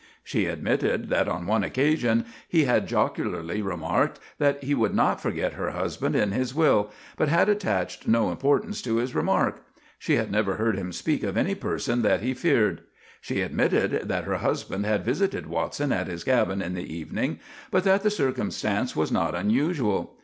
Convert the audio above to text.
She admitted that on one occasion he had jocularly remarked that he would not forget her husband in his will, but had attached no importance to his remark. She had never heard him speak of any person that he feared. She admitted that her husband had visited Watson at his cabin in the evening, but that the circumstance was not unusual.